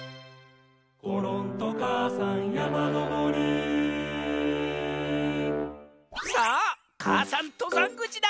「ころんとかあさんやまのぼり」さあ母山とざんぐちだ。